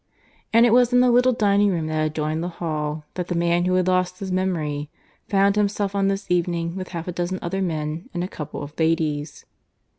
And it was in the little dining room that adjoined the hall that the man who had lost his memory found himself on this evening with half a dozen other men and a couple of ladies.